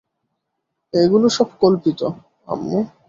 এগুলো সব কল্পিত, আম্মু।